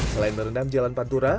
selain merendam jalan pantura